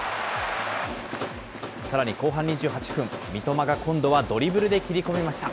さらに後半２８分、三笘が今度はドリブルで切り込みました。